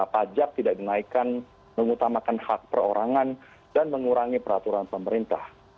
pajak tidak dinaikkan mengutamakan hak perorangan dan mengurangi peraturan pemerintah